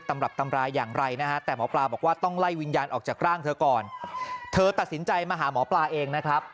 ตำรับตำราอย่างไรนะฮะแต่หมอปลาบอกว่าต้องไล่วิญญาณออกจากร่างเธอก่อนเธอตัดสินใจมาหาหมอปลาเองนะครับ